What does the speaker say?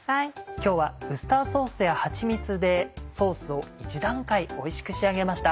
今日はウスターソースやはちみつでソースを一段階おいしく仕上げました。